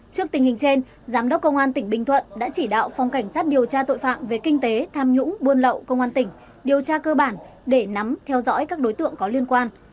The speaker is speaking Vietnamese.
trước tình hình trên giám đốc công an tỉnh bình thuận đã chỉ đạo phòng cảnh sát điều tra tội phạm về kinh tế tham nhũng buôn lậu công an tỉnh điều tra cơ bản để nắm theo dõi các đối tượng có liên quan